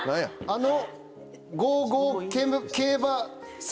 あの。